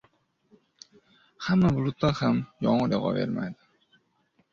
• Hamma bulutdan ham yomg‘ir yog‘avermaydi.